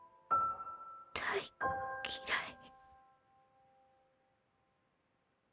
大っ嫌い。